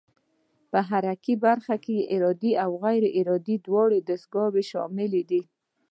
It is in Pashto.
په حرکي برخه کې ارادي او غیر ارادي دواړه دستګاوې شاملې دي.